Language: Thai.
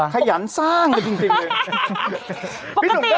ขยันสร้างกันจริงเลย